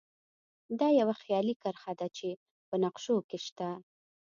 دا یوه خیالي کرښه ده چې په نقشو کې شته